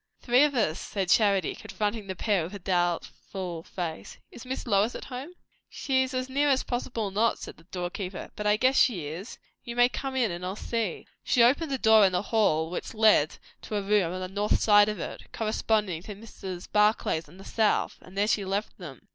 "Three of us," said Charity, confronting the pair with a doubtful face. "Is Miss Lois at home?" "She's as near as possible not," said the door keeper; "but I guess she is. You may come in, and I'll see." She opened a door in the hall which led to a room on the north side of it, corresponding to Mrs. Barclay's on the south; and there she left them.